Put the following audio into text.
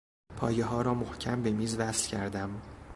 پایهها را محکم به میز وصل کردم.